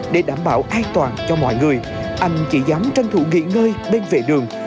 để đảm bảo an toàn cho mọi người anh chỉ dám tranh thủ nghỉ ngơi bên vệ đường